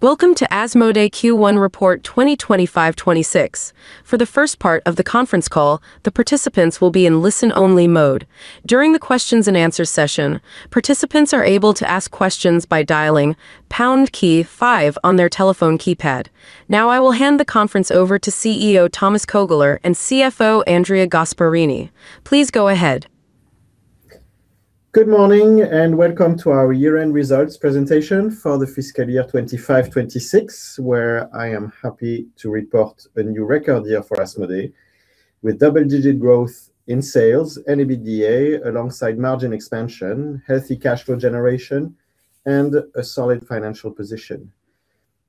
Welcome to Asmodee Q1 Report 2025/2026. For the first part of the conference call, all participants will be in listen only mode. During the question and answer session participants are able to ask question by dialing pound key five on their telephone keypad. Now I will hand the conference over to CEO, Thomas Kœgler, and CFO, Andrea Gasparini. Please go ahead. Good morning and welcome to our year-end results presentation for the fiscal year 2025/2026, where I am happy to report a new record year for Asmodee, with double-digit growth in sales and EBITDA alongside margin expansion, healthy cash flow generation, and a solid financial position.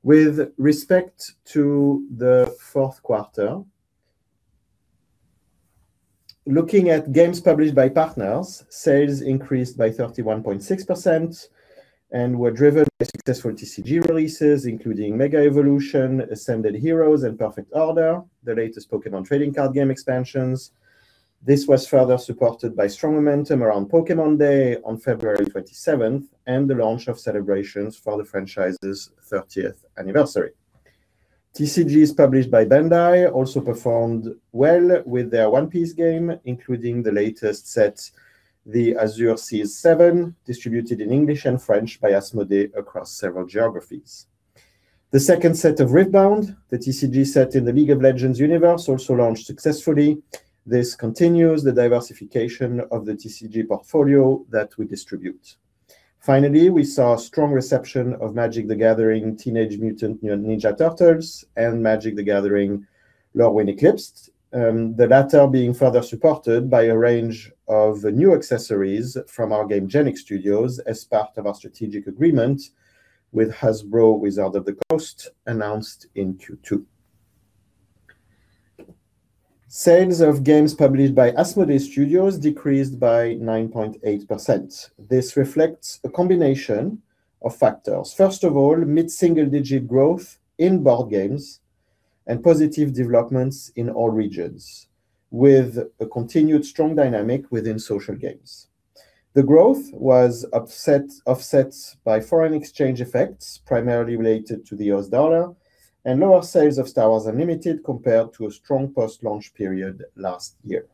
With respect to the fourth quarter, looking at games published by partners, sales increased by 31.6% and were driven by successful TCG releases, including Mega Evolution, Ascended Heroes, and Perfect Order, the latest Pokémon trading card game expansions. This was further supported by strong momentum around Pokémon Day on February 27th and the launch of celebrations for the franchise's 30th anniversary. TCGs published by Bandai also performed well with their One Piece game, including the latest set, The Azure Sea's Seven, distributed in English and French by Asmodee across several geographies. The second set of Riftbound, the TCG set in the League of Legends universe, also launched successfully. This continues the diversification of the TCG portfolio that we distribute. We saw strong reception of Magic: The Gathering, Teenage Mutant Ninja Turtles, and Magic: The Gathering Lorwyn Eclipsed. The latter being further supported by a range of new accessories from our Gamegenic Studios as part of our strategic agreement with Hasbro/Wizards of the Coast announced in Q2. Sales of games published by Asmodee Studios decreased by 9.8%. This reflects a combination of factors. First of all, mid-single digit growth in board games and positive developments in all regions with a continued strong dynamic within social games. The growth was offset by foreign exchange effects, primarily related to the U.S. dollar and lower sales of Star Wars: Unlimited compared to a strong post-launch period last year.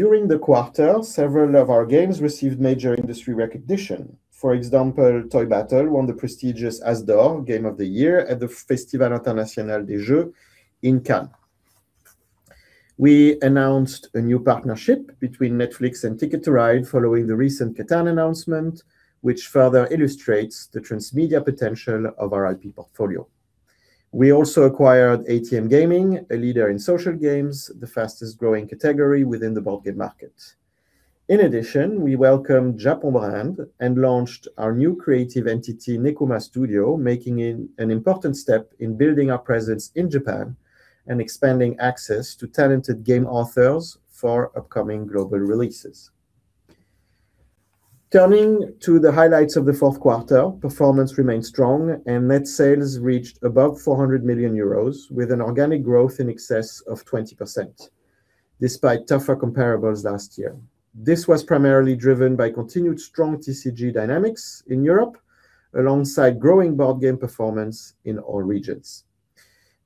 During the quarter, several of our games received major industry recognition. For example, Toy Battle won the prestigious As d'Or Game of the Year at the Festival International des Jeux in Cannes. We announced a new partnership between Netflix and Ticket to Ride following the recent Catan announcement, which further illustrates the transmedia potential of our IP portfolio. We also acquired ATM Gaming, a leader in social games, the fastest-growing category within the board game market. In addition, we welcomed Japon Brand and launched our new creative entity, Nekuma Studio, making an important step in building our presence in Japan and expanding access to talented game authors for upcoming global releases. Turning to the highlights of the fourth quarter, performance remained strong and net sales reached above 400 million euros with an organic growth in excess of 20%, despite tougher comparables last year. This was primarily driven by continued strong TCG dynamics in Europe alongside growing board game performance in all regions.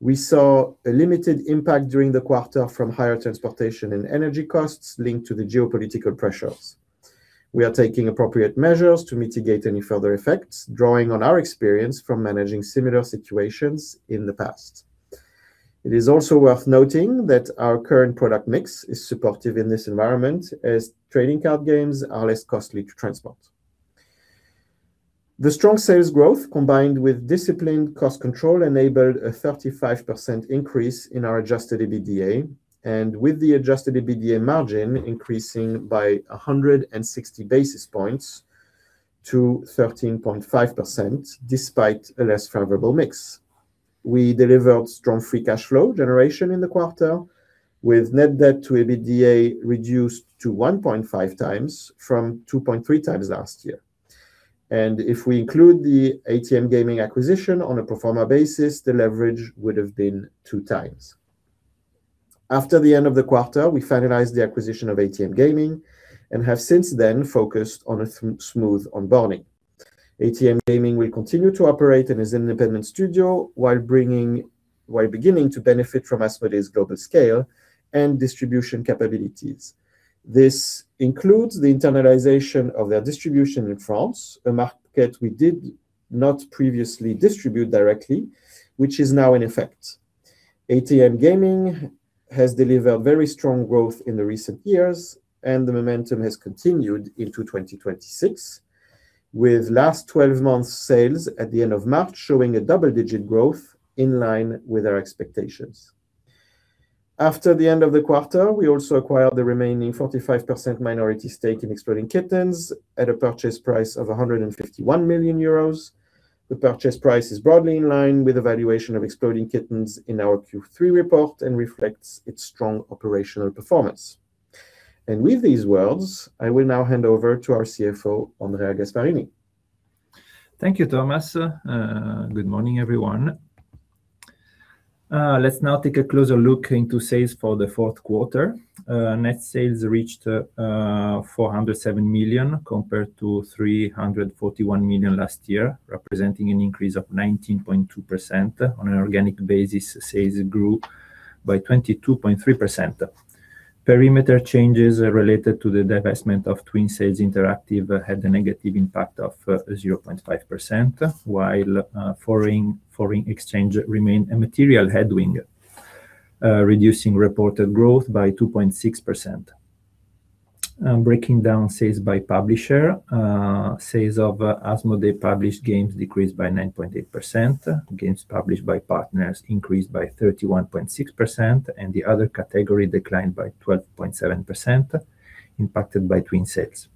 We saw a limited impact during the quarter from higher transportation and energy costs linked to the geopolitical pressures. We are taking appropriate measures to mitigate any further effects, drawing on our experience from managing similar situations in the past. It is also worth noting that our current product mix is supportive in this environment as trading card games are less costly to transport. The strong sales growth, combined with disciplined cost control, enabled a 35% increase in our adjusted EBITDA, and with the adjusted EBITDA margin increasing by 160 basis points to 13.5%, despite a less favorable mix. We delivered strong free cash flow generation in the quarter with net debt to EBITDA reduced to 1.5x from 2.3x last year. If we include the ATM Gaming acquisition on a pro forma basis, the leverage would have been 2x. After the end of the quarter, we finalized the acquisition of ATM Gaming and have since then focused on a smooth onboarding. ATM Gaming will continue to operate as an independent studio while beginning to benefit from Asmodee's global scale and distribution capabilities. This includes the internalization of their distribution in France, a market we did not previously distribute directly, which is now in effect. ATM Gaming has delivered very strong growth in the recent years, and the momentum has continued into 2026 with last 12 months sales at the end of March showing a double-digit growth in line with our expectations. After the end of the quarter, we also acquired the remaining 45% minority stake in Exploding Kittens at a purchase price of 151 million euros. The purchase price is broadly in line with the valuation of Exploding Kittens in our Q3 report and reflects its strong operational performance. With these words, I will now hand over to our CFO, Andrea Gasparini. Thank you, Thomas. Good morning, everyone. Let's now take a closer look into sales for the fourth quarter. Net sales reached 407 million compared to 341 million last year, representing an increase of 19.2%. On an organic basis, sales grew by 22.3%. Perimeter changes related to the divestment of Twin Sails Interactive had a negative impact of 0.5%, while foreign exchange remained a material headwind, reducing reported growth by 2.6%. Breaking down sales by publisher, sales of Asmodee-published games decreased by 9.8%, games published by partners increased by 31.6%, and the other category declined by 12.7%, impacted by Twin Sails.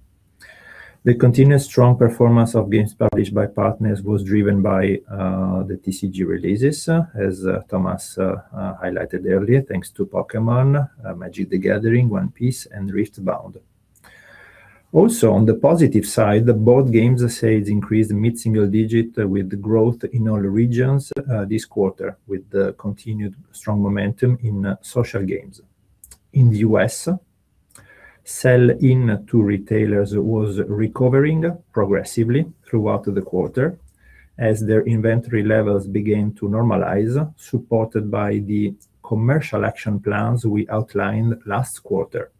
The continuous strong performance of games published by partners was driven by the TCG releases, as Thomas highlighted earlier, thanks to "Pokémon," "Magic: The Gathering," "One Piece," and "Riftbound." Also on the positive side, the board games sales increased mid-single digit with growth in all regions this quarter, with continued strong momentum in social games. In the U.S., sell-in to retailers was recovering progressively throughout the quarter as their inventory levels began to normalize, supported by the commercial action plans we outlined last quarter.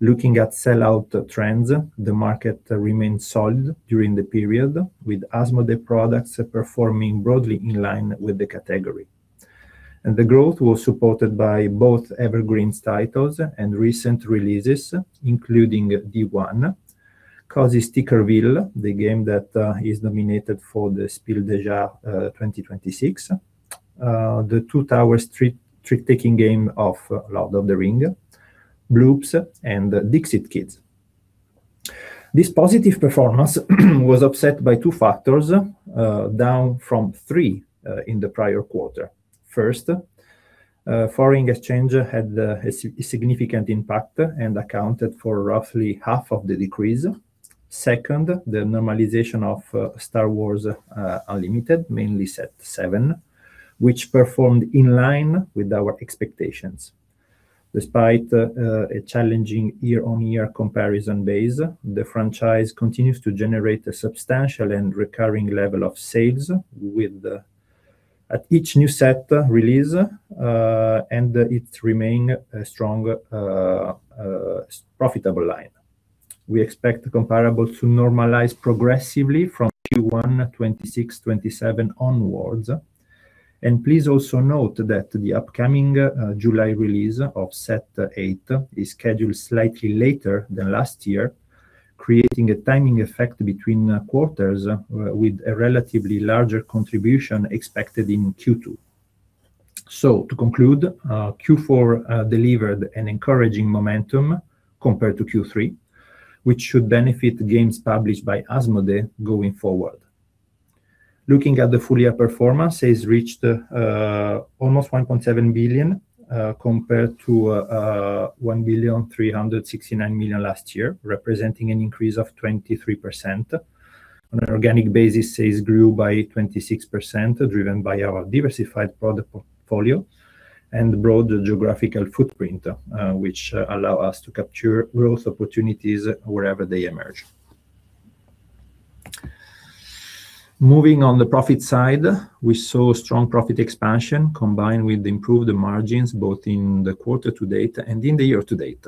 Looking at sell-out trends, the market remained solid during the period, with Asmodee products performing broadly in line with the category. The growth was supported by both Evergreen titles and recent releases, including D1, Cozy Stickerville, the game that is nominated for the Spiel des Jahres 2026, The Two Towers trick-taking game of The Lord of the Rings, Bloops, and Dixit Kids. This positive performance was upset by two factors, down from three in the prior quarter. First, foreign exchange had a significant impact and accounted for roughly half of the decrease. Second, the normalization of Star Wars: Unlimited, mainly Set VII, which performed in line with our expectations. Despite a challenging year-on-year comparison base, the franchise continues to generate a substantial and recurring level of sales at each new set release, and it remains a strong profitable line. We expect comparable to normalize progressively from Q1 2026/2027 onwards. Please also note that the upcoming July release of Set VIII is scheduled slightly later than last year, creating a timing effect between quarters with a relatively larger contribution expected in Q2. To conclude, Q4 delivered an encouraging momentum compared to Q3, which should benefit games published by Asmodee going forward. Looking at the full-year performance, sales reached almost 1.7 billion, compared to 1,369,000 last year, representing an increase of 23%. On an organic basis, sales grew by 26%, driven by our diversified product portfolio and broad geographical footprint, which allow us to capture growth opportunities wherever they emerge. Moving on the profit side, we saw strong profit expansion combined with improved margins both in the quarter to date and in the year to date.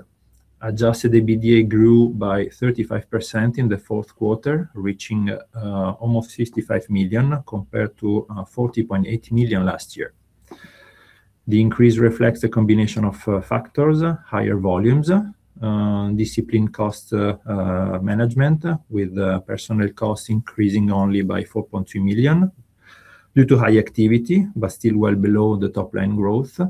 Adjusted EBITDA grew by 35% in the fourth quarter, reaching almost 65 million compared to 40.8 million last year. The increase reflects a combination of factors, higher volumes, disciplined cost management with personnel costs increasing only by 4.3 million due to high activity, but still well below the top line growth,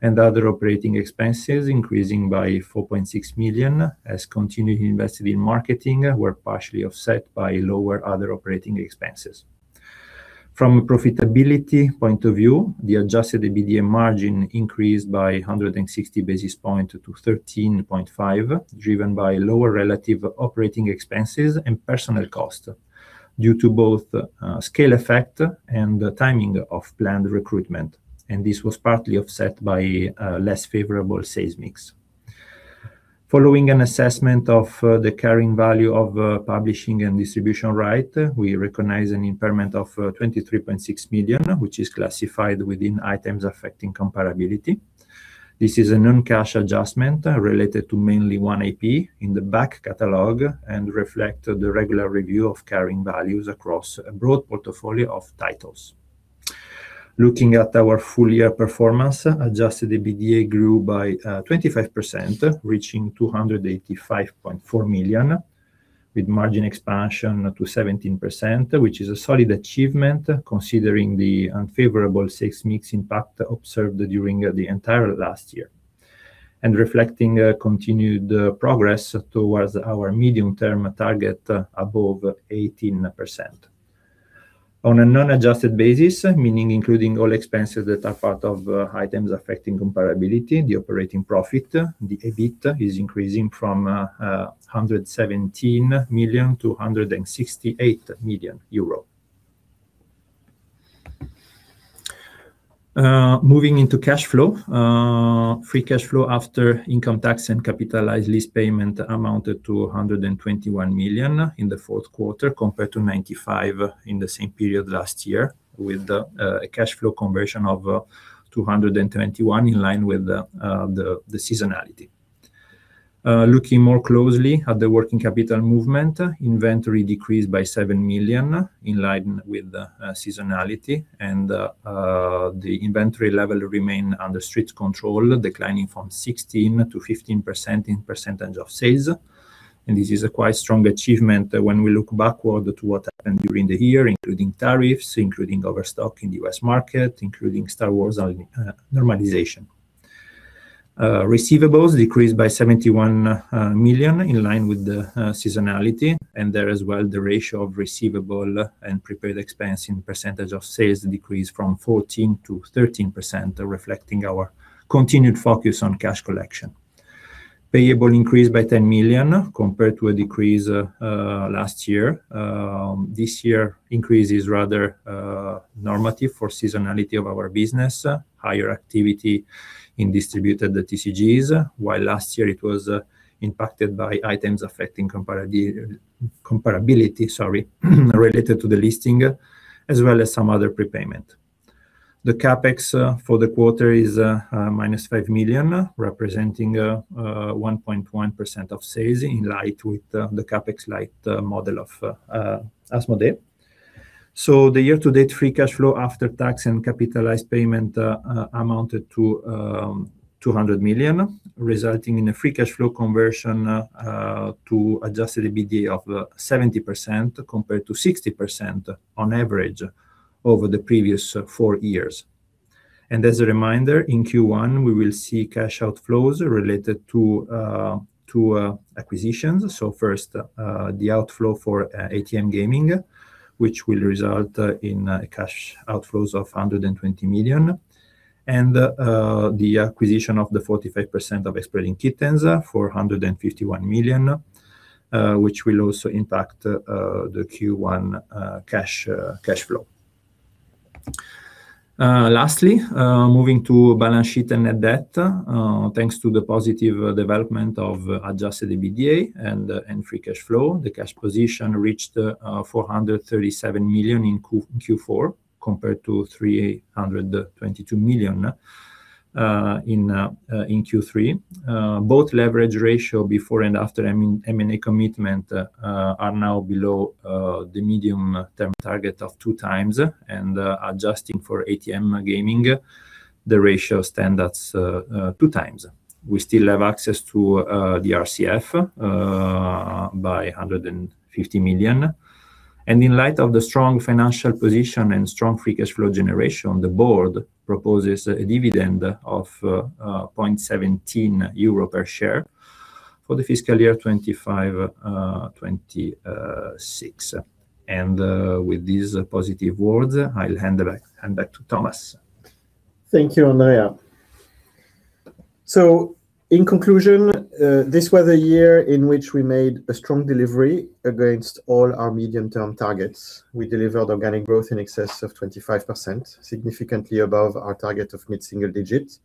and other operating expenses increasing by 4.6 million as continued investment in marketing were partially offset by lower other operating expenses. From a profitability point of view, the adjusted EBITDA margin increased by 160 basis points to 13.5%, driven by lower relative operating expenses and personnel costs due to both scale effect and timing of planned recruitment. This was partly offset by a less favorable sales mix. Following an assessment of the carrying value of publishing and distribution rights, we recognize an impairment of 23.6 million, which is classified within items affecting comparability. This is a non-cash adjustment related to mainly one IP in the back catalog and reflect the regular review of carrying values across a broad portfolio of titles. Looking at our full-year performance, adjusted EBITDA grew by 25%, reaching 285.4 million, with margin expansion to 17%, which is a solid achievement considering the unfavorable sales mix impact observed during the entire last year and reflecting continued progress towards our medium-term target above 18%. On a non-adjusted basis, meaning including all expenses that are part of items affecting comparability, the operating profit, the EBIT, is increasing from 117 million to 168 million euro. Moving into cash flow. Free cash flow after income tax and capitalized lease payment amounted to 121 million in the fourth quarter, compared to 95 million in the same period last year with the cash flow conversion of 221% in line with the seasonality. Looking more closely at the working capital movement, inventory decreased by 7 million in line with the seasonality and the inventory level remain under strict control, declining from 16%-15% in percentage of sales. This is a quite strong achievement when we look backward to what happened during the year, including tariffs, including overstock in the U.S. market, including Star Wars normalization. Receivables decreased by 71 million in line with the seasonality. There as well the ratio of receivable and prepared expense in percentage of sales decreased from 14%-13%, reflecting our continued focus on cash collection. Payable increased by 10 million compared to a decrease last year. This year increase is rather normative for seasonality of our business, higher activity in distributed the TCGs, while last year it was impacted by items affecting comparability, sorry, related to the listing, as well as some other prepayment. The CapEx for the quarter is -5 million, representing 1.1% of sales in light with the CapEx light model of Asmodee. The year-to-date free cash flow after tax and capitalized payment amounted to 200 million, resulting in a free cash flow conversion to adjusted EBITDA of 70% compared to 60% on average over the previous four years. As a reminder, in Q1, we will see cash outflows related to acquisitions. First, the outflow for ATM Gaming, which will result in cash outflows of 120 million, and the acquisition of the 45% of Exploding Kittens for 151 million which will also impact the Q1 cash flow. Lastly, moving to balance sheet and net debt. Thanks to the positive development of adjusted EBITDA and free cash flow, the cash position reached 437 million in Q4 compared to 322 million in Q3. Both leverage ratio before and after M&A commitment are now below the medium-term target of 2x and adjusting for ATM Gaming, the ratio stands at 2x. We still have access to the RCF by 150 million. In light of the strong financial position and strong free cash flow generation, the board proposes a dividend of 0.17 euro per share for the fiscal year 2025/2026. With these positive words, I'll hand back to Thomas. Thank you, Andrea. In conclusion, this was a year in which we made a strong delivery against all our medium-term targets. We delivered organic growth in excess of 25%, significantly above our target of mid-single digits.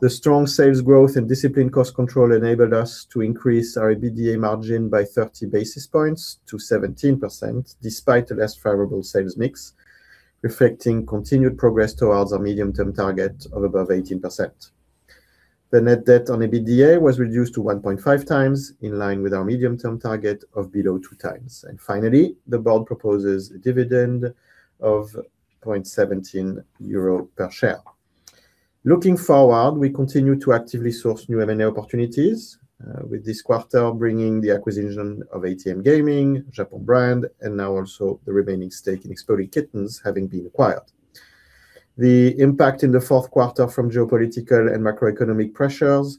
The strong sales growth and disciplined cost control enabled us to increase our EBITDA margin by 30 basis points to 17%, despite a less favorable sales mix, reflecting continued progress towards our medium-term target of above 18%. The net debt on EBITDA was reduced to 1.5x, in line with our medium-term target of below 2x. Finally, the board proposes a dividend of 0.17 euro per share. Looking forward, we continue to actively source new M&A opportunities with this quarter bringing the acquisition of ATM Gaming, Japon Brand, and now also the remaining stake in Exploding Kittens having been acquired. The impact in the fourth quarter from geopolitical and macroeconomic pressures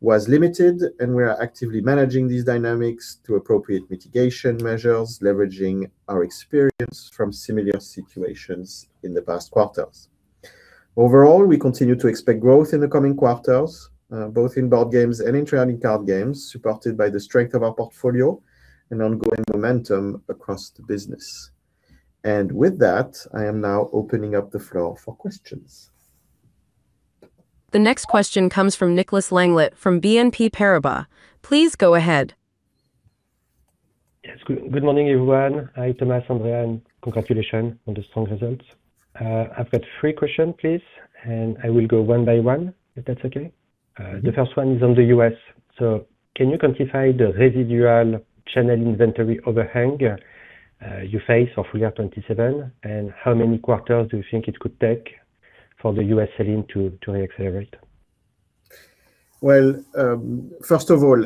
was limited. We are actively managing these dynamics through appropriate mitigation measures, leveraging our experience from similar situations in the past quarters. Overall, we continue to expect growth in the coming quarters, both in board games and in trading card games, supported by the strength of our portfolio and ongoing momentum across the business. With that, I am now opening up the floor for questions. The next question comes from Nicolas Langlet from BNP Paribas. Please go ahead. Yes. Good morning, everyone. Hi, Thomas, Andrea, and congratulations on the strong results. I've got three questions, please, and I will go one by one, if that's okay. Yeah. The first one is on the U.S. Can you quantify the residual channel inventory overhang you face of full year 2027? How many quarters do you think it could take for the U.S. sell-in to re-accelerate? Well, first of all,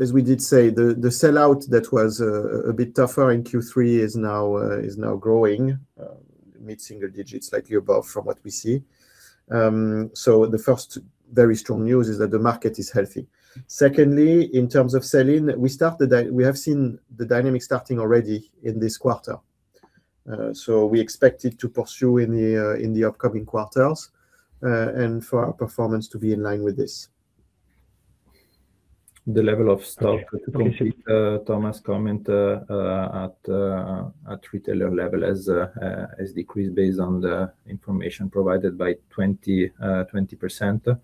as we did say, the sell-out that was a bit tougher in Q3 is now growing mid-single digits, slightly above from what we see. The first very strong news is that the market is healthy. Secondly, in terms of sell-in, we have seen the dynamic starting already in this quarter. We expect it to pursue in the upcoming quarters, and for our performance to be in line with this. The level of stock, to complete Thomas' comment, at retailer level has decreased based on the information provided by 20%.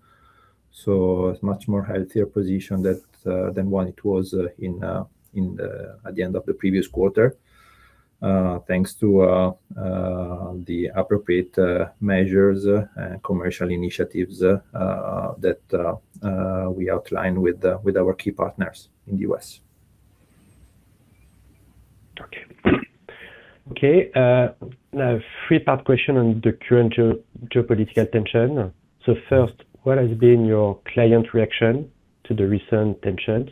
A much more healthier position than what it was at the end of the previous quarter, thanks to the appropriate measures and commercial initiatives that we outlined with our key partners in the U.S. Okay. Now a three-part question on the current geopolitical tension. First, what has been your client reaction to the recent tensions?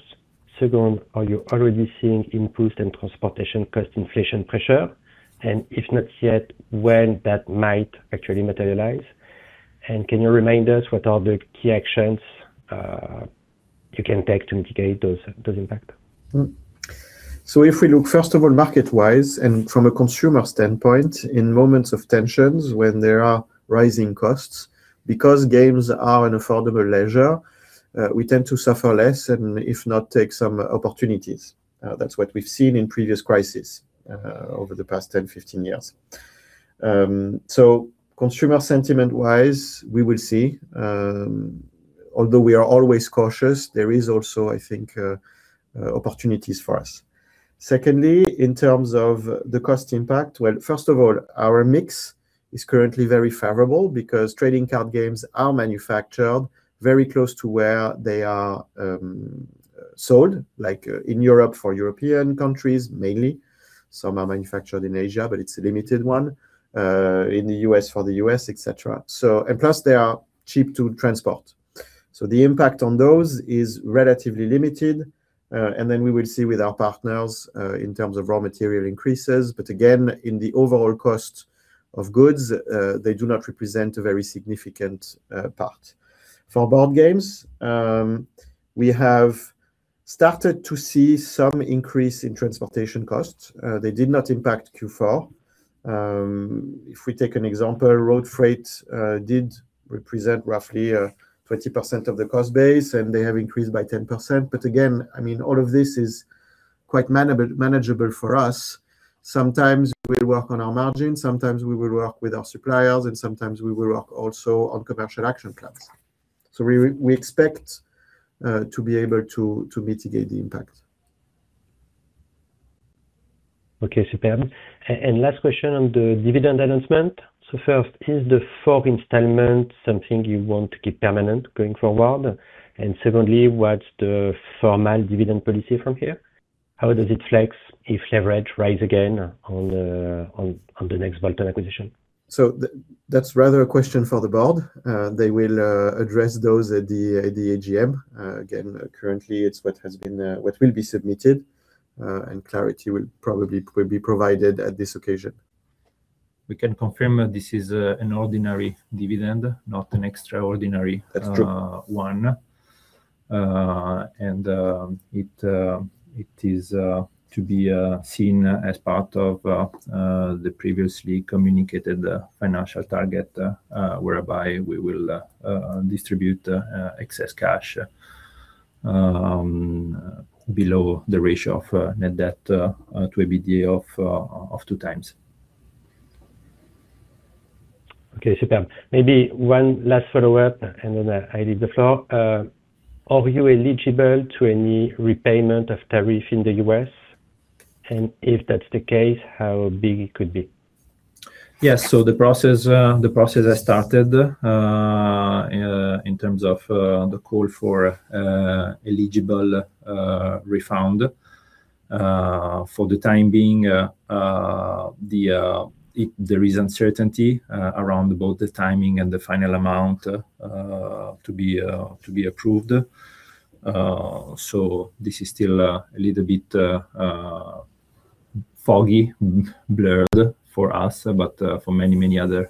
Second, are you already seeing increased transportation cost inflation pressure? If not yet, when that might actually materialize? Can you remind us what are the key actions you can take to mitigate those impact? If we look, first of all, market-wise and from a consumer standpoint, in moments of tensions when there are rising costs, because games are an affordable leisure, we tend to suffer less and if not, take some opportunities. That's what we've seen in previous crises over the past 10, 15 years. Consumer sentiment-wise, we will see. Although we are always cautious, there is also, I think, opportunities for us. Secondly, in terms of the cost impact, well, first of all, our mix is currently very favorable because trading card games are manufactured very close to where they are sold, like in Europe for European countries mainly. Some are manufactured in Asia, but it's a limited one. In the U.S. for the U.S., et cetera. And plus, they are cheap to transport. The impact on those is relatively limited. We will see with our partners in terms of raw material increases. Again, in the overall cost of goods, they do not represent a very significant part. For board games, we have started to see some increase in transportation costs. They did not impact Q4. If we take an example, road freight did represent roughly 20% of the cost base, and they have increased by 10%. Again, all of this is quite manageable for us. Sometimes we work on our margin, sometimes we will work with our suppliers, and sometimes we will work also on commercial action plans. We expect to be able to mitigate the impact. Okay, super. Last question on the dividend announcement. First, is the fourth installment something you want to keep permanent going forward? Secondly, what's the formal dividend policy from here? How does it flex if leverage rise again on the next bolt-on acquisition? That's rather a question for the board. They will address those at the AGM. Currently, it's what will be submitted, and clarity will probably be provided at this occasion. We can confirm that this is an ordinary dividend. That's true. One. It is to be seen as part of the previously communicated financial target, whereby we will distribute excess cash below the ratio of net debt to EBITDA of 2x. Okay, super. Maybe one last follow-up, and then I leave the floor. Are you eligible to any repayment of tariff in the U.S.? If that's the case, how big it could be? Yes, the process has started in terms of the call for eligible refund. For the time being, there is uncertainty around both the timing and the final amount to be approved. This is still a little bit foggy, blurred for us, but for many other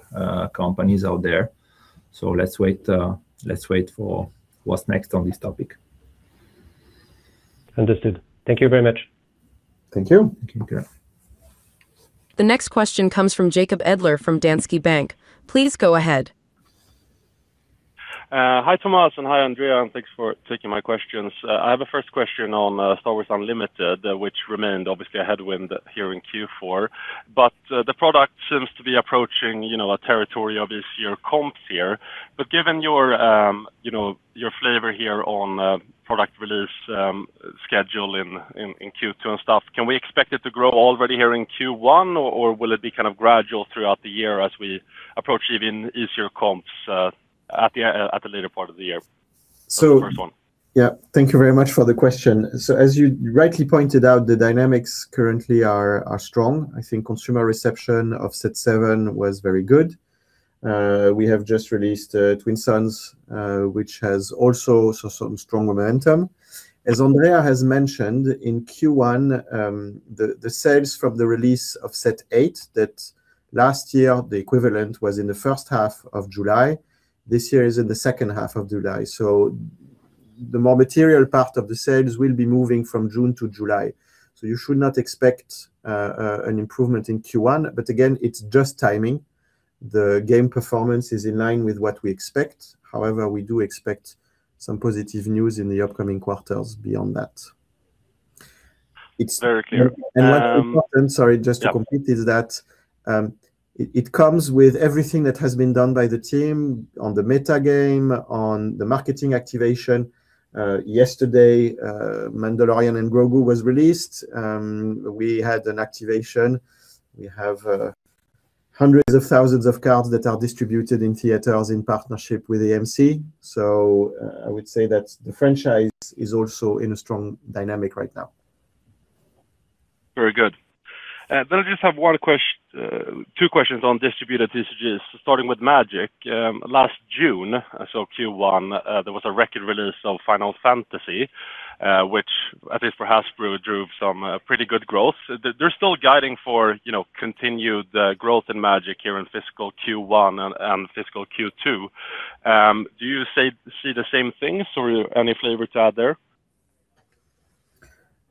companies out there. Let's wait for what's next on this topic. Understood. Thank you very much. Thank you. Thank you. Okay. The next question comes from Jacob Edler from Danske Bank. Please go ahead. Hi, Thomas, and hi, Andrea. Thanks for taking my questions. I have a first question on Star Wars: Unlimited, which remained obviously a headwind here in Q4, but the product seems to be approaching a territory of easier comps here. Given your flavor here on product release schedule in Q2 and stuff, can we expect it to grow already here in Q1, or will it be kind of gradual throughout the year as we approach even easier comps at the later part of the year for the first one? Thank you very much for the question. As you rightly pointed out, the dynamics currently are strong. I think consumer reception of Set VII was very good. We have just released Twin Suns, which has also saw some strong momentum. As Andrea has mentioned, in Q1, the sales from the release of Set VIII that last year the equivalent was in the first half of July. This year is in the second half of July. The more material part of the sales will be moving from June to July. You should not expect an improvement in Q1, but again, it's just timing. The game performance is in line with what we expect. However, we do expect some positive news in the upcoming quarters beyond that. Very clear. What's important, sorry, just to complete. Yeah. Is that it comes with everything that has been done by the team on the meta-game, on the marketing activation. Yesterday, Mandalorian and Grogu was released. We had an activation. We have hundreds of thousands of cards that are distributed in theaters in partnership with AMC. I would say that the franchise is also in a strong dynamic right now. Very good. I just have two questions on distributed TCGs, starting with Magic. Last June, so Q1, there was a record release of Final Fantasy, which, at least for Hasbro, drove some pretty good growth. They're still guiding for continued growth in Magic here in fiscal Q1 and fiscal Q2. Do you see the same things, or any flavor to add there?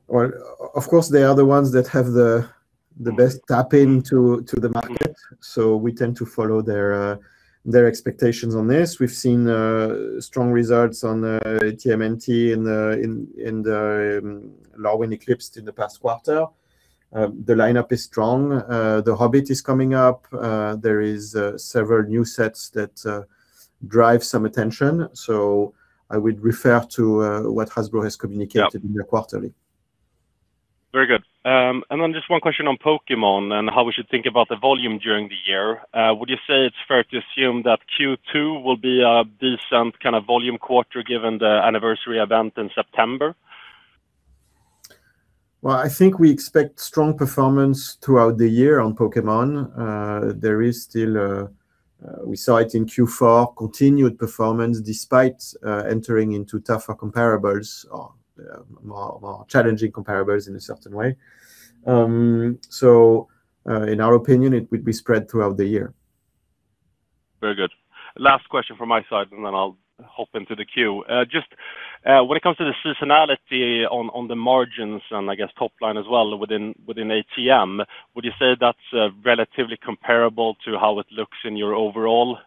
Of course, they are the ones that have the best tap into the market. We tend to follow their expectations on this. We've seen strong results on TMNT in the Lorwyn Eclipsed in the past quarter. The lineup is strong. The Hobbit is coming up. There is several new sets that drive some attention. I would refer to what Hasbro has communicated. Yeah. In their quarterly. Very good. Just one question on Pokémon and how we should think about the volume during the year. Would you say it is fair to assume that Q2 will be a decent kind of volume quarter given the anniversary event in September? I think we expect strong performance throughout the year on Pokémon. We saw it in Q4, continued performance despite entering into tougher comparables or more challenging comparables in a certain way. In our opinion, it would be spread throughout the year. Very good. Last question from my side. Then I'll hop into the queue. Just when it comes to the seasonality on the margins and I guess top line as well within ATM, would you say that's relatively comparable to how it looks in your overall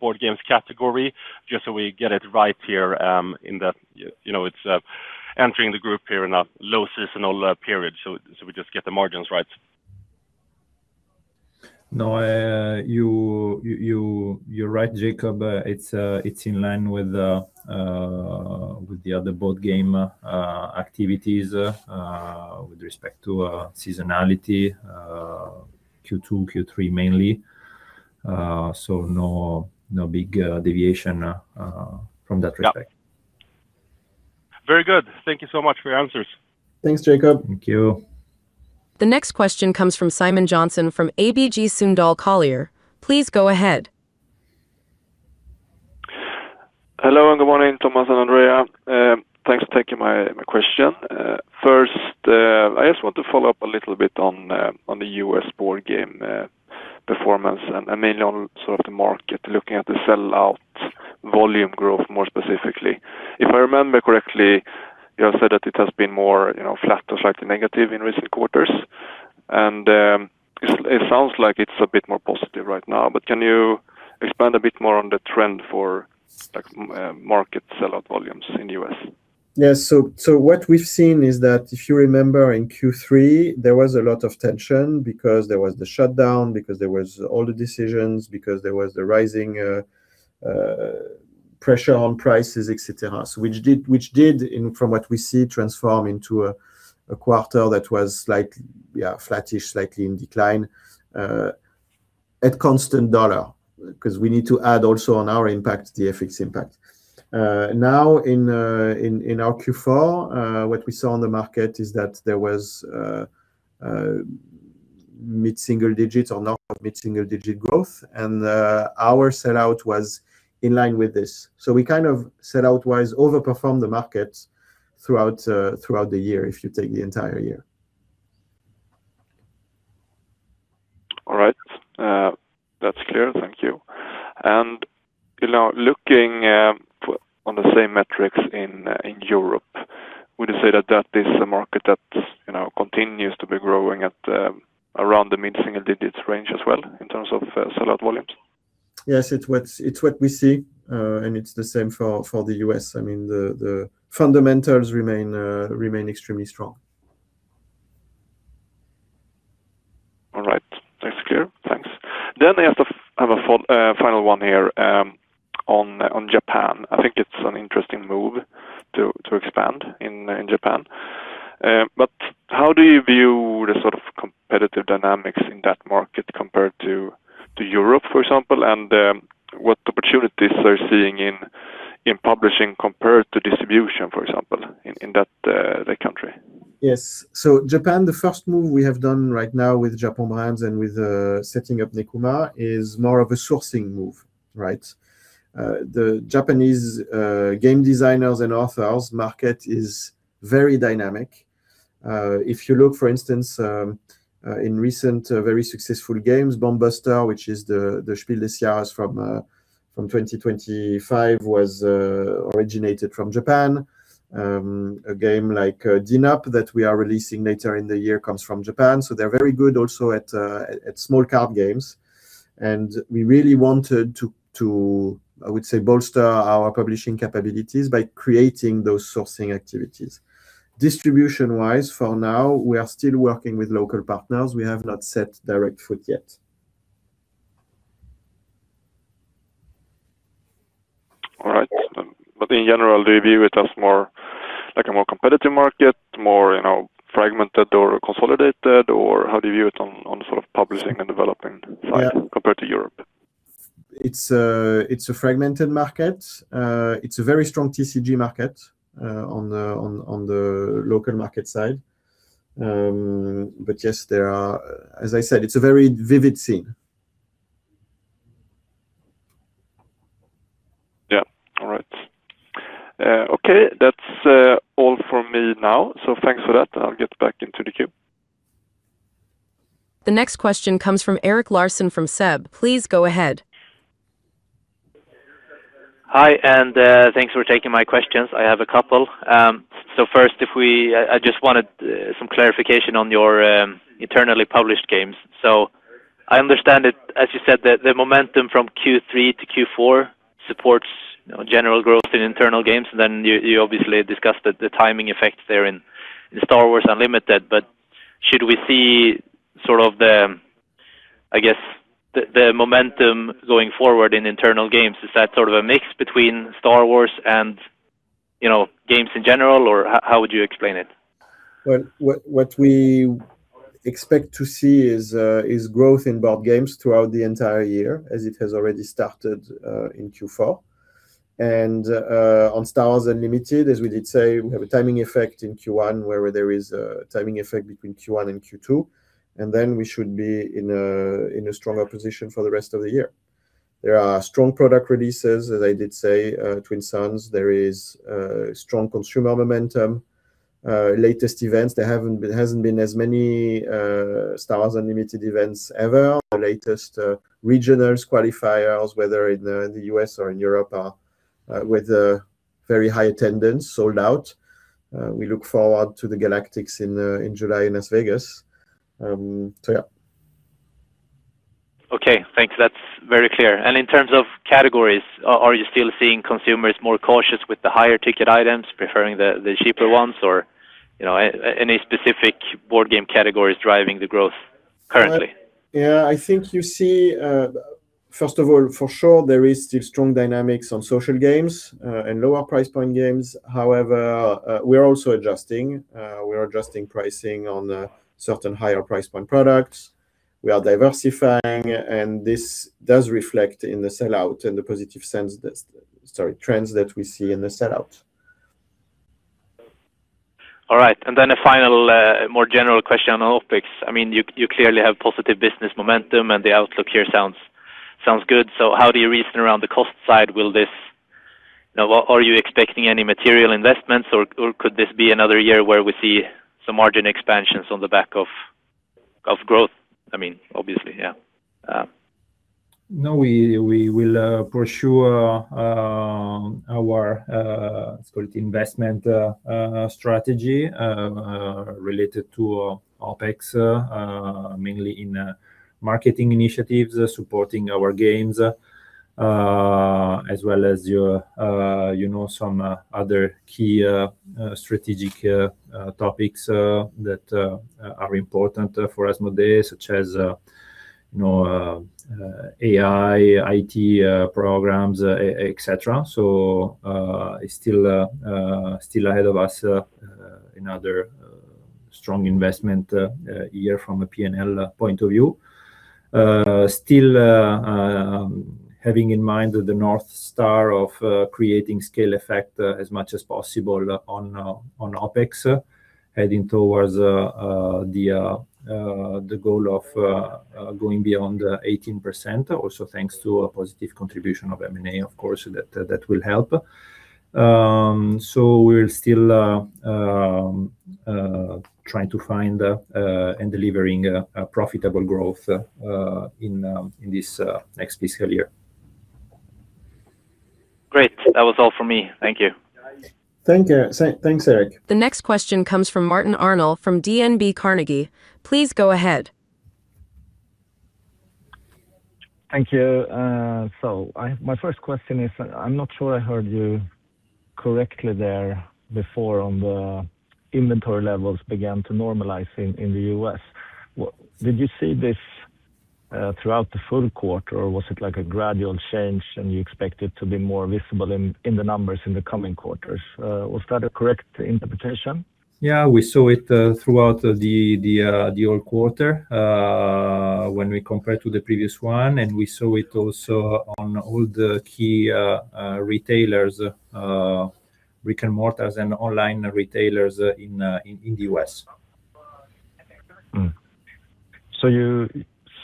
board games category, just so we get it right here in that it's entering the group here in a low seasonal period, so we just get the margins right? You're right, Jacob. It's in line with the other board game activities with respect to seasonality, Q2, Q3 mainly. No big deviation from that respect. Yeah. Very good. Thank you so much for your answers. Thanks, Jacob. Thank you. The next question comes from Simon Jönsson from ABG Sundal Collier. Please go ahead. Hello, and good morning, Thomas and Andrea. Thanks for taking my question. First, I just want to follow up a little bit on the U.S. board game performance, and mainly on sort of the market, looking at the sell-out volume growth more specifically. If I remember correctly, you have said that it has been more flat to slightly negative in recent quarters, and it sounds like it's a bit more positive right now. Can you expand a bit more on the trend for market sell-out volumes in the U.S.? Yes. What we've seen is that if you remember in Q3, there was a lot of tension because there was the shutdown, because there was all the decisions, because there was the rising pressure on prices, et cetera. Which did, from what we see, transform into a quarter that was flattish, slightly in decline at constant dollar, because we need to add also on our impact, the FX impact. Now in our Q4, what we saw on the market is that there was mid-single digits or not mid-single-digit growth, and our sell-out was in line with this. We kind of, sell-out-wise, overperformed the market throughout the year, if you take the entire year. All right. That's clear. Thank you. Looking on the same metrics in Europe, would you say that that is a market that continues to be growing at around the mid-single digits range as well in terms of sell-out volumes? Yes, it's what we see, and it's the same for the U.S. The fundamentals remain extremely strong. All right. That's clear. Thanks. I have a final one here on Japan. I think it's an interesting move to expand in Japan. How do you view the sort of competitive dynamics in that market compared to Europe, for example? What opportunities are you seeing in publishing compared to distribution, for example, in that country? Yes. Japan, the first move we have done right now with Japon Brand and with setting up Nekuma is more of a sourcing move, right. The Japanese game designers and authors market is very dynamic. If you look, for instance, in recent very successful games, Bomb Busters, which is the Spiel des Jahres from 2025 was originated from Japan. A game like dnup that we are releasing later in the year comes from Japan. They're very good also at small card games. We really wanted to, I would say, bolster our publishing capabilities by creating those sourcing activities. Distribution-wise, for now, we are still working with local partners. We have not set direct foot yet. All right. In general, do you view it as a more competitive market, more fragmented or consolidated, or how do you view it on publishing and developing side compared to Europe? It's a fragmented market. It's a very strong TCG market on the local market side. Yes, as I said, it's a very vivid scene. Yeah. All right. Okay. That's all from me now. Thanks for that, and I'll get back into the queue. The next question comes from Erik Larsson from SEB. Please go ahead. Hi, thanks for taking my questions. I have a couple. First, I just wanted some clarification on your internally published games. I understand it, as you said, the momentum from Q3-Q4 supports general growth in internal games, you obviously discussed the timing effect there in Star Wars: Unlimited, should we see the, I guess, the momentum going forward in internal games? Is that sort of a mix between Star Wars and games in general, or how would you explain it? What we expect to see is growth in board games throughout the entire year, as it has already started in Q4. On Star Wars: Unlimited, as we did say, we have a timing effect in Q1 where there is a timing effect between Q1 and Q2, then we should be in a stronger position for the rest of the year. There are strong product releases, as I did say, Twin Suns. There is strong consumer momentum. Latest events, there hasn't been as many Star Wars: Unlimited events ever. The latest regionals qualifiers, whether in the U.S. or in Europe, are with a very high attendance, sold out. We look forward to the Galactics in July in Las Vegas. Okay, thanks. That's very clear. In terms of categories, are you still seeing consumers more cautious with the higher ticket items, preferring the cheaper ones, or any specific board game categories driving the growth currently? Yeah, I think you see, first of all, for sure, there is still strong dynamics on social games and lower price point games. However, we're also adjusting. We're adjusting pricing on certain higher price point products. We are diversifying, and this does reflect in the sell-out in the positive trends that we see in the sell-out. All right. A final more general question on OpEx. You clearly have positive business momentum, and the outlook here sounds good. How do you reason around the cost side? Are you expecting any material investments, or could this be another year where we see some margin expansions on the back of growth? I mean, obviously, yeah. No, we will pursue our, let's call it, investment strategy related to OpEx, mainly in marketing initiatives supporting our games as well as some other key strategic topics that are important for Asmodee such as AI, IT programs, et cetera. Still ahead of us, another strong investment year from a P&L point of view. Still having in mind the North Star of creating scale effect as much as possible on OpEx, heading towards the goal of going beyond 18%. Also, thanks to a positive contribution of M&A, of course, that will help. We're still trying to find and delivering a profitable growth in this next fiscal year. Great. That was all for me. Thank you. Thanks, Erik. The next question comes from Martin Arnell from DNB Carnegie. Please go ahead. Thank you. My first question is, I am not sure I heard you correctly there before on the inventory levels began to normalize in the U.S. Did you see this throughout the full quarter, or was it like a gradual change and you expect it to be more visible in the numbers in the coming quarters? Was that a correct interpretation? Yeah, we saw it throughout the whole quarter when we compared to the previous one. We saw it also on all the key retailers, brick-and-mortars and online retailers in the U.S.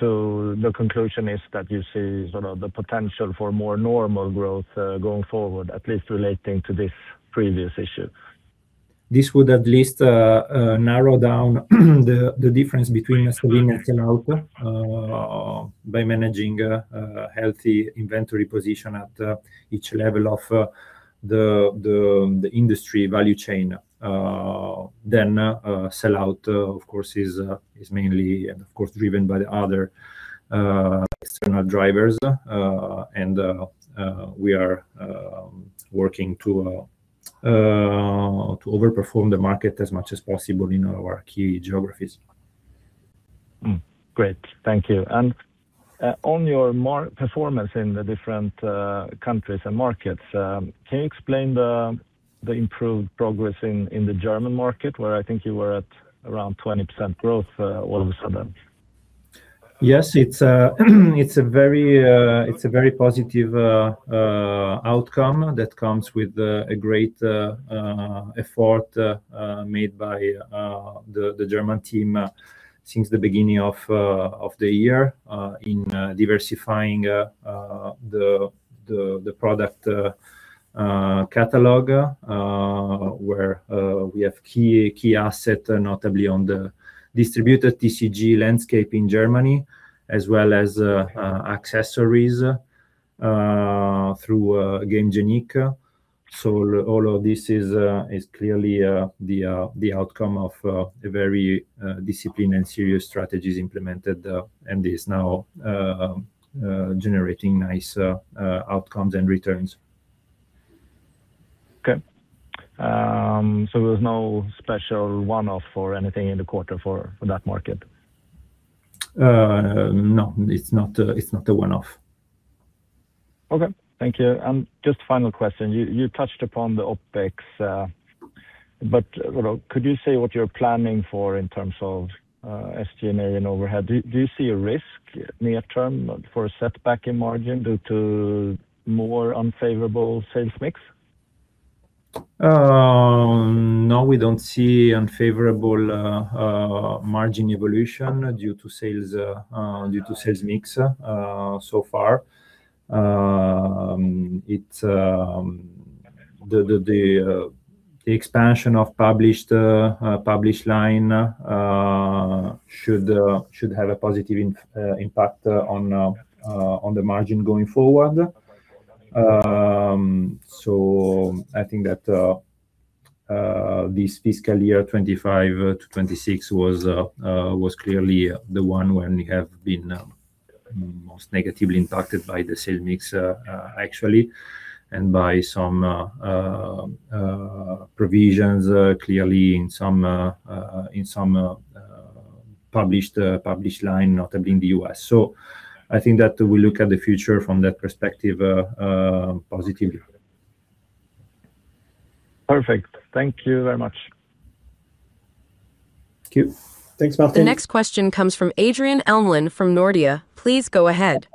The conclusion is that you see sort of the potential for more normal growth going forward, at least relating to this previous issue? This would at least narrow down the difference between a by managing a healthy inventory position at each level of the industry value chain. Sellout, of course, is mainly, and of course driven by the other external drivers. We are working to overperform the market as much as possible in our key geographies. Great. Thank you. On your performance in the different countries and markets, can you explain the improved progress in the German market, where I think you were at around 20% growth all of a sudden? Yes, it's a very positive outcome that comes with a great effort made by the German team since the beginning of the year, in diversifying the product catalog, where we have key asset, notably on the distributed TCG landscape in Germany, as well as accessories through, again, Gamegenic. All of this is clearly the outcome of a very disciplined and serious strategies implemented, and is now generating nice outcomes and returns. Okay. There was no special one-off or anything in the quarter for that market? No, it's not a one-off. Okay. Thank you. Just final question. You touched upon the OpEx, but could you say what you're planning for in terms of SG&A and overhead? Do you see a risk near term for a setback in margin due to more unfavorable sales mix? No, we don't see unfavorable margin evolution due to sales mix so far. The expansion of published line should have a positive impact on the margin going forward. I think that this fiscal year 2025-2026 was clearly the one when we have been most negatively impacted by the sale mix, actually, and by some provisions, clearly in some published line, notably in the U.S. I think that we look at the future from that perspective positively. Perfect. Thank you very much. Thank you. Thanks, Martin. The next question comes from Adrian Elmlund from Nordea. Please go ahead.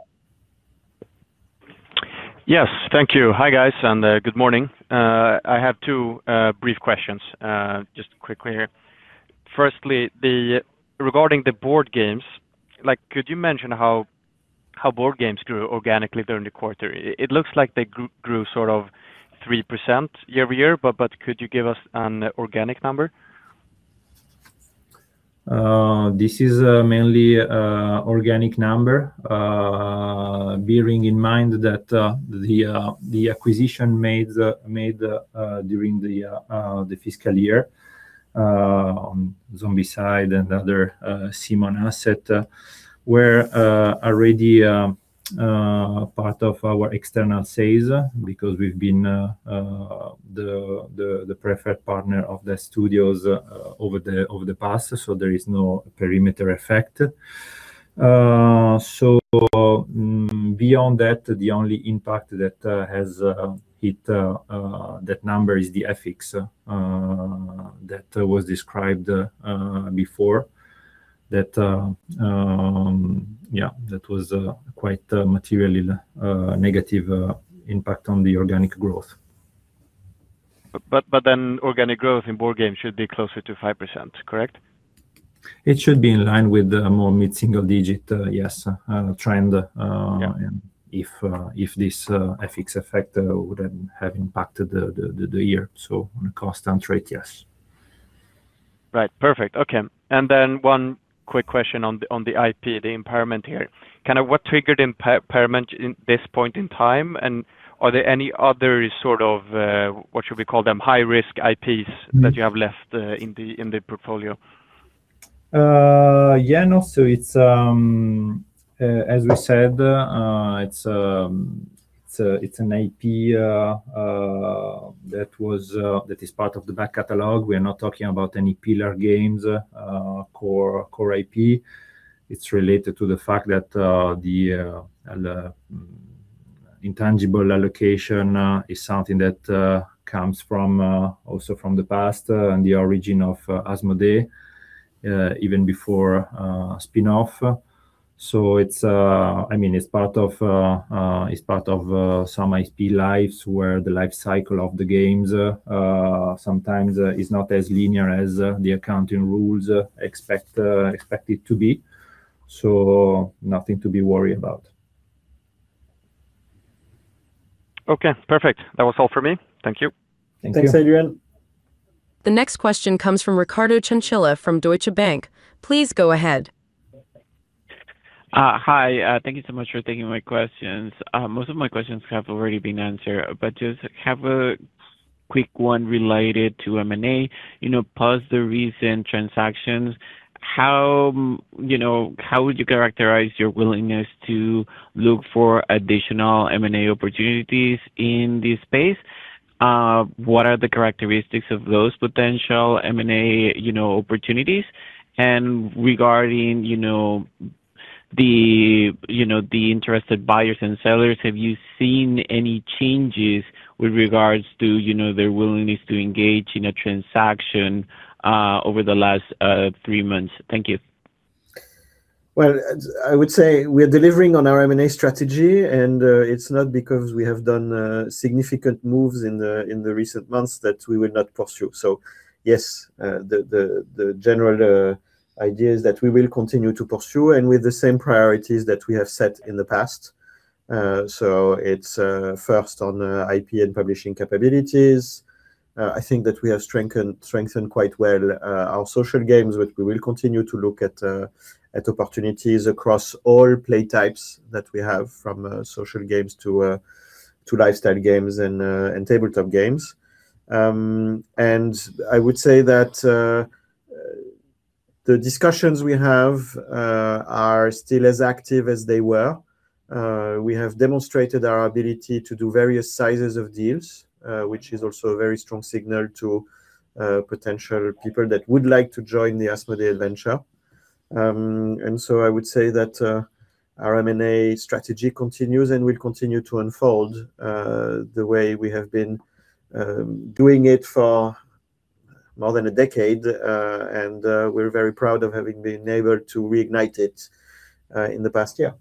Yes. Thank you. Hi, guys, and good morning. I have two brief questions, just quickly here. Firstly, regarding the board games, could you mention how board games grew organically during the quarter? It looks like they grew 3% year-over-year, but could you give us an organic number? This is mainly organic number. Bearing in mind that the acquisition made during the fiscal year on Zombicide and other CMON asset were already part of our external sales because we've been the preferred partner of the studios over the past, so there is no perimeter effect. Beyond that, the only impact that has hit that number is the FX that was described before. That was quite a materially negative impact on the organic growth. Organic growth in board games should be closer to 5%, correct? It should be in line with a more mid-single digit, yes, trend. Yeah. If this FX effect wouldn't have impacted the year. On a constant rate, yes. Right. Perfect. Okay. One quick question on the IP, the impairment here. What triggered impairment in this point in time? Are there any other, what should we call them, high-risk IPs that you have left in the portfolio? As we said, it's an IP that is part of the back catalog. We are not talking about any pillar games, core IP. It's related to the fact that the intangible allocation is something that comes also from the past and the origin of Asmodee, even before spin-off. It's part of some IP lives where the life cycle of the games sometimes is not as linear as the accounting rules expect it to be. Nothing to be worried about. Okay, perfect. That was all for me. Thank you. Thank you. Thanks, Adrian. The next question comes from Ricardo Chinchilla from Deutsche Bank. Please go ahead. Hi. Thank you so much for taking my questions. Most of my questions have already been answered, but just have a quick one related to M&A. Post the recent transactions, how would you characterize your willingness to look for additional M&A opportunities in this space? What are the characteristics of those potential M&A opportunities? Regarding the interested buyers and sellers, have you seen any changes with regards to their willingness to engage in a transaction over the last three months? Thank you. Well, I would say we are delivering on our M&A strategy, and it's not because we have done significant moves in the recent months that we will not pursue. Yes, the general idea is that we will continue to pursue and with the same priorities that we have set in the past. It's first on IP and publishing capabilities. I think that we have strengthened quite well our social games, which we will continue to look at opportunities across all play types that we have, from social games to lifestyle games and tabletop games. I would say that the discussions we have are still as active as they were. We have demonstrated our ability to do various sizes of deals, which is also a very strong signal to potential people that would like to join the Asmodee adventure. I would say that our M&A strategy continues and will continue to unfold the way we have been doing it for more than a decade. We're very proud of having been able to reignite it in the past year.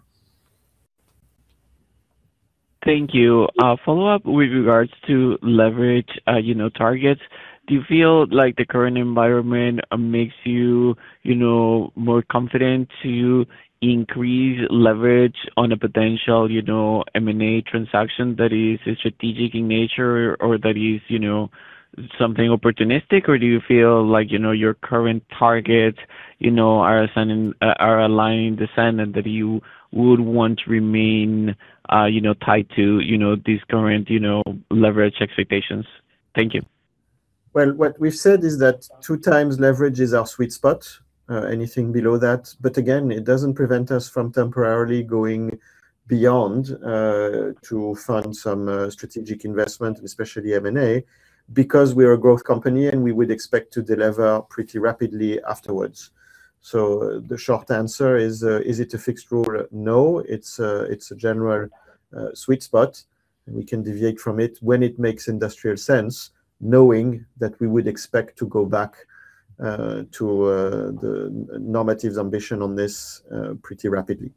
Thank you. A follow-up with regards to leverage targets. Do you feel like the current environment makes you more confident to increase leverage on a potential M&A transaction that is strategic in nature or that is something opportunistic? Do you feel like your current targets are aligned in the sense that you would want to remain tied to these current leverage expectations? Thank you. Well, what we've said is that two times leverage is our sweet spot anything below that. Again, it doesn't prevent us from temporarily going beyond to fund some strategic investment, especially M&A, because we are a growth company, and we would expect to deliver pretty rapidly afterwards. The short answer is it a fixed rule? No, it's a general sweet spot, and we can deviate from it when it makes industrial sense, knowing that we would expect to go back to the normative ambition on this pretty rapidly.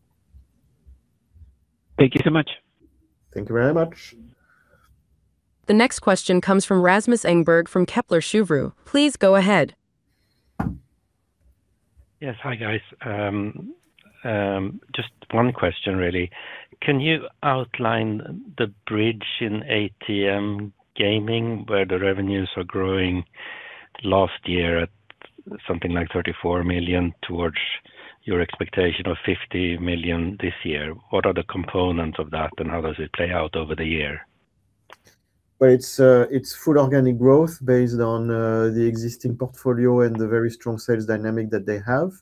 Thank you so much. Thank you very much. The next question comes from Rasmus Engberg from Kepler Cheuvreux. Please go ahead. Yes. Hi, guys. Just one question, really. Can you outline the bridge in ATM Gaming where the revenues are growing last year at something like 34 million towards your expectation of 50 million this year? What are the components of that, and how does it play out over the year? Well, it's full organic growth based on the existing portfolio and the very strong sales dynamic that they have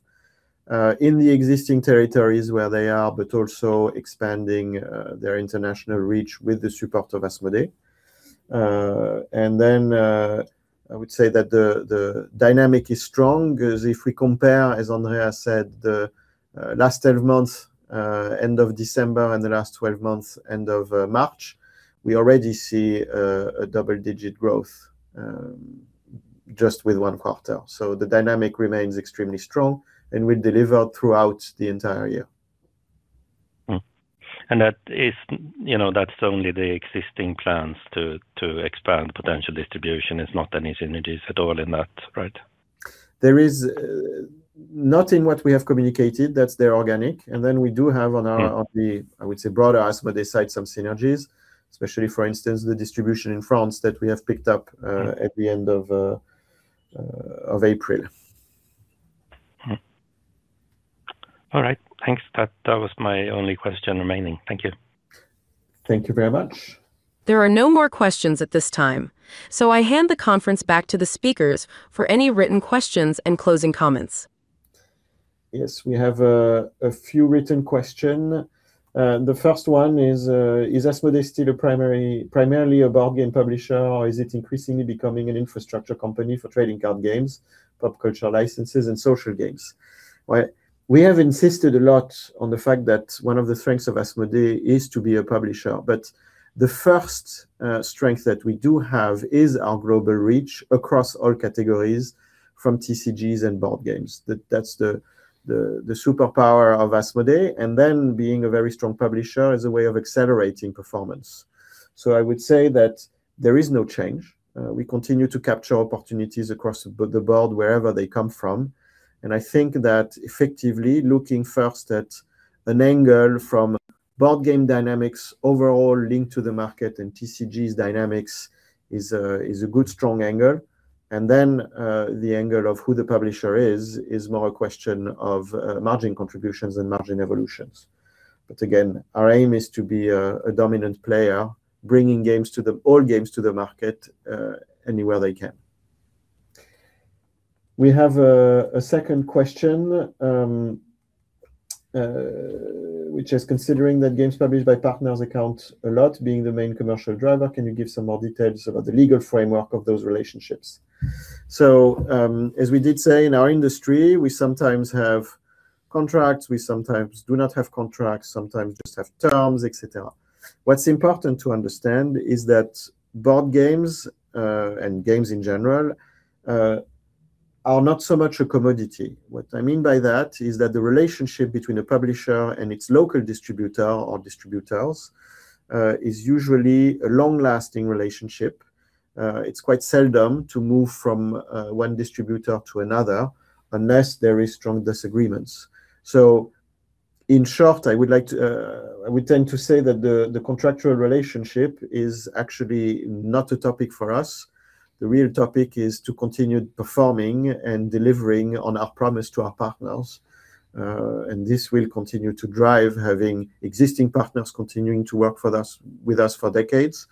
in the existing territories where they are, but also expanding their international reach with the support of Asmodee. I would say that the dynamic is strong because if we compare, as Andrea said, the last 12 months end of December and the last 12 months end of March, we already see a double-digit growth just with one quarter. The dynamic remains extremely strong, and we deliver throughout the entire year. That's only the existing plans to expand potential distribution. There's not any synergies at all in that, right? There is nothing what we have communicated that's their organic. We do have on our, I would say, broader Asmodee side, some synergies, especially, for instance, the distribution in France that we have picked up at the end of April. All right. Thanks. That was my only question remaining. Thank you. Thank you very much. There are no more questions at this time, so I hand the conference back to the speakers for any written questions and closing comments. Yes, we have a few written question. The first one is Asmodee still primarily a board game publisher, or is it increasingly becoming an infrastructure company for trading card games, pop cultural licenses, and social games? Well, we have insisted a lot on the fact that one of the strengths of Asmodee is to be a publisher. The first strength that we do have is our global reach across all categories from TCGs and board games. That's the superpower of Asmodee. Then being a very strong publisher is a way of accelerating performance. I would say that there is no change. We continue to capture opportunities across the board wherever they come from. I think that effectively looking first at an angle from board game dynamics overall linked to the market and TCGs dynamics is a good strong angle. Then the angle of who the publisher is more a question of margin contributions than margin evolutions. Again, our aim is to be a dominant player, bringing all games to the market anywhere they can. We have a second question, which is: considering that games published by partners account a lot being the main commercial driver, can you give some more details about the legal framework of those relationships? As we did say, in our industry, we sometimes have contracts, we sometimes do not have contracts, sometimes just have terms, et cetera. What's important to understand is that board games, and games in general, are not so much a commodity. What I mean by that is that the relationship between a publisher and its local distributor or distributors is usually a long-lasting relationship. It's quite seldom to move from one distributor to another unless there is strong disagreements. In short, I would tend to say that the contractual relationship is actually not a topic for us. The real topic is to continue performing and delivering on our promise to our partners. This will continue to drive having existing partners continuing to work with us for decades,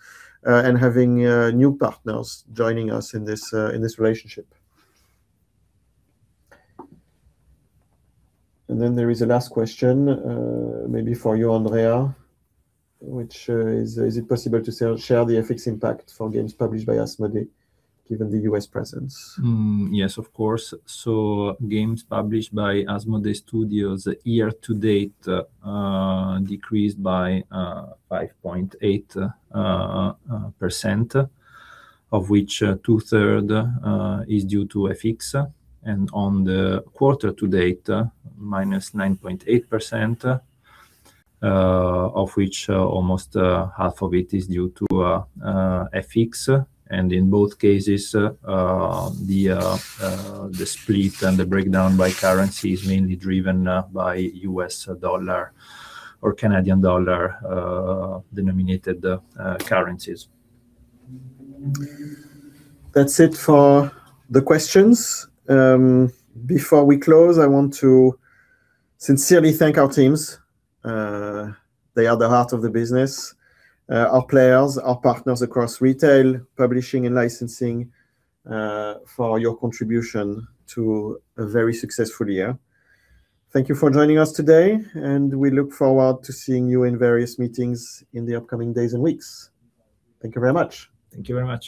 and having new partners joining us in this relationship. There is a last question, maybe for you, Andrea, which is: is it possible to share the FX impact for games published by Asmodee given the U.S. presence? Yes, of course. Games published by Asmodee Studios year-to-date decreased by 5.8%, of which two third is due to FX. On the quarter-to-date, -9.8%, of which almost half of it is due to FX. In both cases, the split and the breakdown by currency is mainly driven by U.S. dollar or Canadian dollar denominated currencies. That's it for the questions. Before we close, I want to sincerely thank our teams. They are the heart of the business. Our players, our partners across retail, publishing, and licensing, for your contribution to a very successful year. Thank you for joining us today, and we look forward to seeing you in various meetings in the upcoming days and weeks. Thank you very much. Thank you very much.